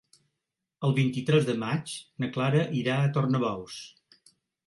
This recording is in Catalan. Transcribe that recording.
El vint-i-tres de maig na Clara irà a Tornabous.